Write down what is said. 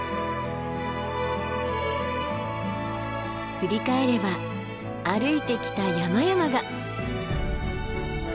振り返れば歩いてきた山々が。